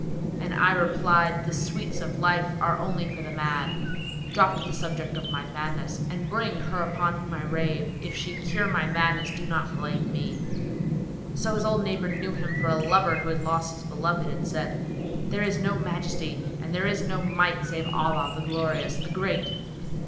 * And I replied, The sweets of life are only for the mad. Drop the subject of my madness, and bring her upon whom I rave * If she cure my madness do not blame me." So his old neighbour knew him for a lover who had lost his beloved and said, "There is no Majesty and there is no Might, save in Allah, the Glorious, the Great!